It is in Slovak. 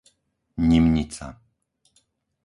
Nimnica